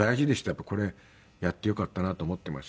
やっぱこれやってよかったなと思ってます。